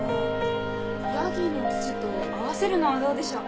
ヤギの乳と合わせるのはどうでしょう？